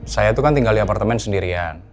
saya itu kan tinggal di apartemen sendirian